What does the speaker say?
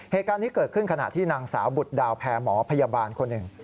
เหตุการณ์นี้เกิดขึ้นขณะที่นางสาวบุตรดาวแพรหมอพยาบาลคนหนึ่ง